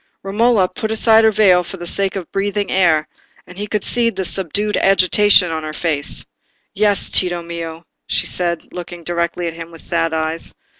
Romola put aside her veil for the sake of breathing the air, and he could see the subdued agitation in her face. "Yes, Tito mio," she said, looking directly at him with sad eyes.